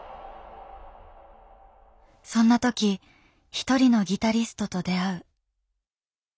そんなときひとりのギタリストと出会う。